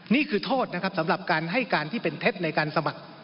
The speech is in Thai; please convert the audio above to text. นี่คือโทษนะครับสำหรับการให้การที่เป็นเท็จในการสมัคร